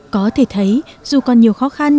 có thể thấy dù còn nhiều khó khăn